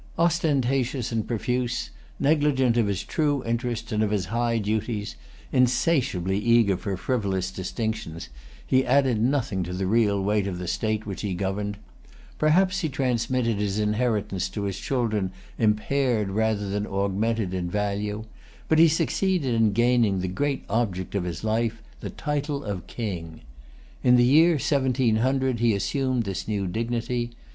Ostentatious and profuse, negligent of his true interests and of his high duties, insatiably eager for frivolous distinctions, he added nothing to the real weight of the state which he governed: perhaps he transmitted his inheritance to his children impaired rather than augmented in value; but he succeeded in gaining the great object of his life, the title of King. In the year 1700 he assumed this new dignity.